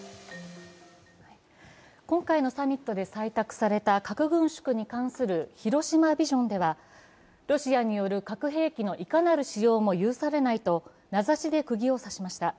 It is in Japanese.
今回のサミットで採択された核軍縮に関する広島ビジョンでは、ロシアによる核兵器のいかなる使用も許されないと名指しでくぎをさしました。